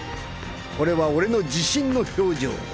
これは俺の自信の表情だ。